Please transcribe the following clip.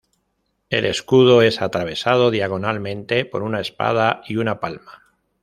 El escudo es atravesado diagonalmente por una espada y una palma.